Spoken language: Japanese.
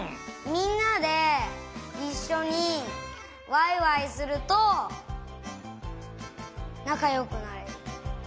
みんなでいっしょにワイワイするとなかよくなれる。